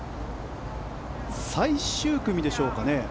最終組でしょうかね。